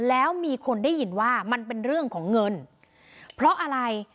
แล้วมีคนได้ยินว่ามันเป็นเรื่องของเงินเพราะอะไร